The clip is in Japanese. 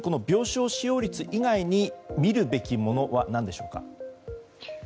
病床使用率以外に見るべきものは何でしょうか。